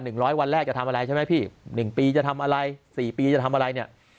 ร้อยวันแรกจะทำอะไรใช่ไหมพี่หนึ่งปีจะทำอะไรสี่ปีจะทำอะไรเนี่ย